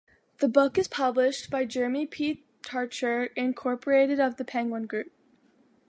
The book is published by Jeremy P. Tarcher Incorporated of the Penguin Group.